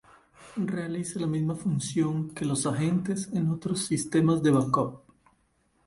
Realiza la misma función que los "agentes" en otros sistemas de backup.